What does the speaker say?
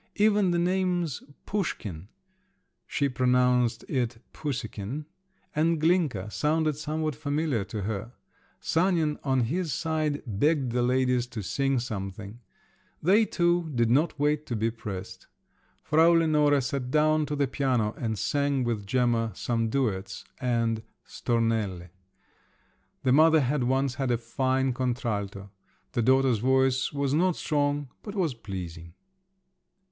Even the names Pushkin (she pronounced it Pussekin) and Glinka sounded somewhat familiar to her. Sanin on his side begged the ladies to sing something; they too did not wait to be pressed. Frau Lenore sat down to the piano and sang with Gemma some duets and "stornelle." The mother had once had a fine contralto; the daughter's voice was not strong, but was pleasing.